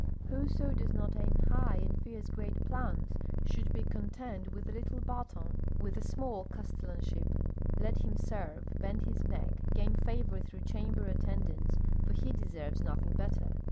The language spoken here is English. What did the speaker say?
Whoso does not aim high and fears great plans, should be content with a little baton, with a small castellanship; let him serve, bend his neck, gain favor through chamber attendants, for he deserves nothing better!